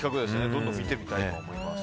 どんどん見てみたいです。